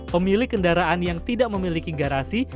pemilik kendaraan yang tidak memiliki garasi